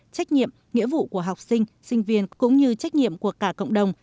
trách nhiệm nghĩa vụ của học sinh sinh viên cũng như trách nhiệm của cả cộng đồng